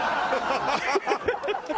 ハハハハ！